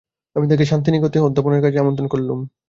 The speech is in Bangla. আমি তাঁকে শান্তিনিকেতনের অধ্যাপনার কাজে আমন্ত্রণ করলুম।